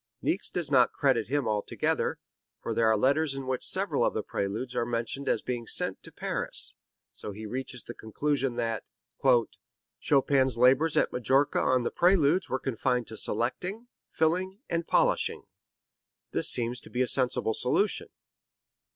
Niecks does not credit him altogether, for there are letters in which several of the Preludes are mentioned as being sent to Paris, so he reaches the conclusion that "Chopin's labors at Majorca on the Preludes were confined to selecting, filing and polishing." This seems to be a sensible solution.